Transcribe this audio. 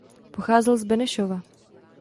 Pocházel z Benešova.